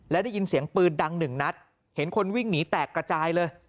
และได้ยินเสียงปืนดังหนึ่งนัดเห็นคนวิ่งหนีแตกกระจายเลย